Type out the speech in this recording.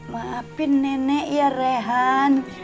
maafin nenek ya rehan